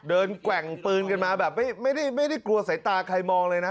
แกว่งปืนกันมาแบบไม่ได้กลัวสายตาใครมองเลยนะ